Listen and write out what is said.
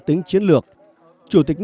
đặc biệt như asean